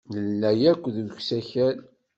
Nella akk deg usakal.